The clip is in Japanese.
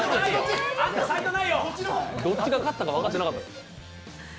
どっちが勝ったか分かってなかったよ。